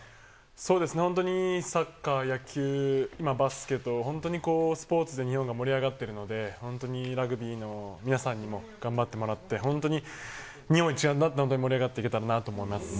そうですね、本当にサッカー、野球、今、バスケと、本当にスポーツで日本が盛り上がってるので、本当にラグビーの皆さんにも頑張ってもらって、本当に日本一丸となって盛り上がっていけたらなと思います。